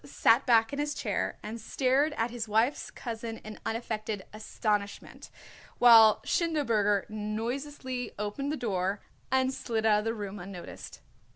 "] Belz sat back in his chair and stared at his wife's cousin in unaffected astonishment, while Schindelberger noiselessly opened the door and slid out of the room unnoticed.